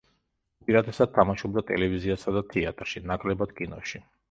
უპირატესად თამაშობდა ტელევიზიასა და თეატრში, ნაკლებად კინოში.